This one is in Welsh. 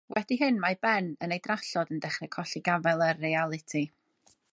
Wedi hyn, mae Ben, yn ei drallod, yn dechrau colli gafael ar realiti.